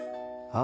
あ？